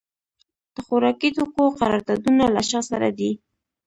د خوراکي توکو قراردادونه له چا سره دي؟